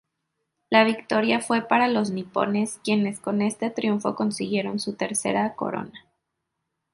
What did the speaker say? La victoria fue para los nipones quienes con este triunfo consiguieron su tercera corona.